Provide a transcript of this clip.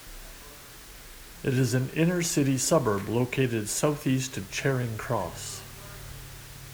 It is an inner-city suburb located southeast of Charing Cross.